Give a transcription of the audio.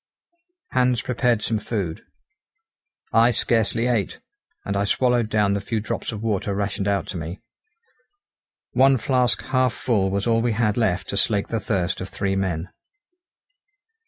Hans prepared some food. I scarcely ate, and I swallowed down the few drops of water rationed out to me. One flask half full was all we had left to slake the thirst of three men.